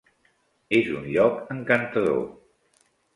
És un lloc encantador.